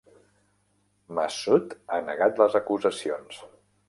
Masood ha negat les acusacions.